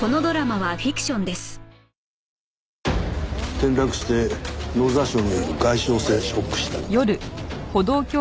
転落して脳挫傷による外傷性ショック死だな。